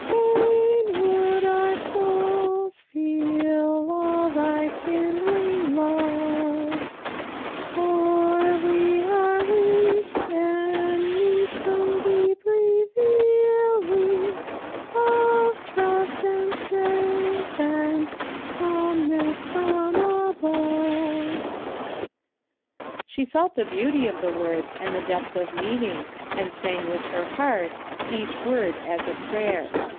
Fain would our souls feel all thy kindling love ; For we are weak, and need some deep revealing Of trust, and strength, and calmness from above." She felt the beauty of the words and the depth of meaning, and sang with her heart, each word as a prayer.